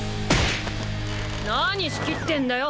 何仕切ってんだよ。